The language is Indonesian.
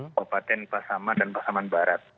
kabupaten pasaman dan pasaman barat